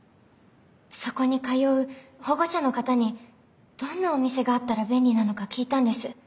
そこに通う保護者の方にどんなお店があったら便利なのか聞いたんです。